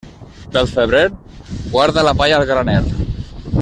Pel febrer, guarda la palla al graner.